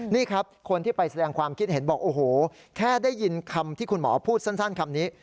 นี่ครับคนที่ไปแสดงความคิดเห็นบอกโอ้โหแค่ได้ยินคำที่คุณหมอพูดสั้นคำนี้